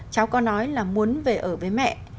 cháu có nói là muốn về ở với mẹ